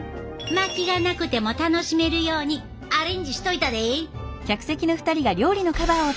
薪がなくても楽しめるようにアレンジしといたで！